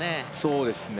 そうですね